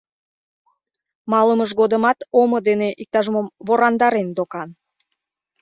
Малымыж годымат омо дене иктаж-мом ворандарен докан.